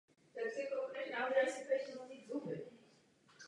Na univerzitě v Glasgow působil jako profesor na katedře keltských studií.